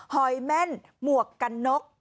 หอยแม่นหมวกกันนก